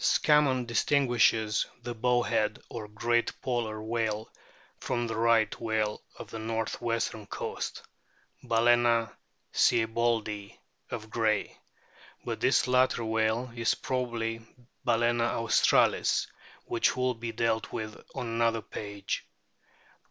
Scammon distinguishes the " Bowhead " or Great Polar whale from the Risdit whale of the north o western coast, Balcena sieboldii of Gray. But this latter whale is probably B. australis, which will be dealt with on another page.